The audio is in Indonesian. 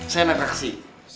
saya nak reaksi